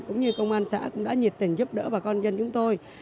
cũng như công an xã cũng đã nhiệt tình giúp đỡ bà con dân chúng tôi